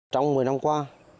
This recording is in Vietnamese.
trong một mươi năm qua